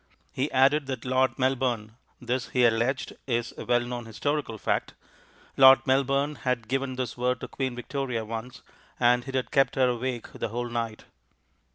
He added that Lord Melbourne this, he alleged, is a well known historical fact Lord Melbourne had given this word to Queen Victoria once, and it had kept her awake the whole night.